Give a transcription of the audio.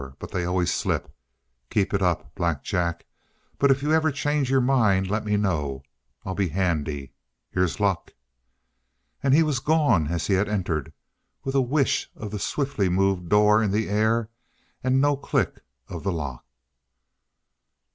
But they always slip. Keep it up, Black Jack, but if you ever change your mind, lemme know. I'll be handy. Here's luck!" And he was gone as he had entered, with a whish of the swiftly moved door in the air, and no click of the lock.